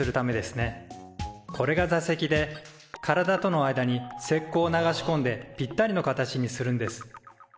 これが座席で体との間に石こうを流しこんでぴったりの形にするんです。